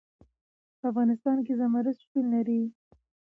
په افغانستان کې زمرد شتون لري.